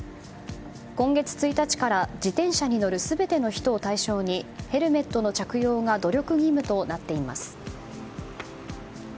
今月１日から自転車に乗る全ての人を対象にヘルメットの着用が努力義務となっています。